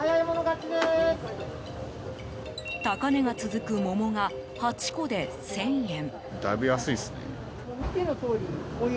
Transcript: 高値が続く桃が８個で１０００円。